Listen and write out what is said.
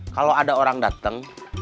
kalau ada orang dateng